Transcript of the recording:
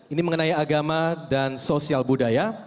ini mengenai agama dan sosial budaya